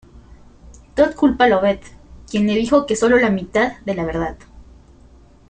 Todd culpa a Lovett, quien le dijo que sólo la mitad de la verdad.